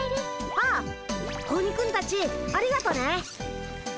あっ子鬼君たちありがとね。